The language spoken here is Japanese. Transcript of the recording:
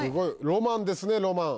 ロマンですねロマン。